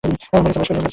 আমরা নীচে বাস করি।